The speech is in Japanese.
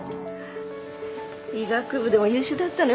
医学部でも優秀だったのよ。